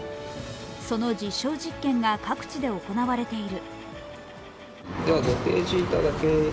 その実証実験が各地で行われている。